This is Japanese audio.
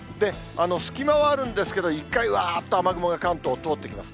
隙間はあるんですけれども、一回、うわーっと雨雲が関東を通ってきます。